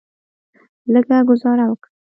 لږه ګوزاره وکه.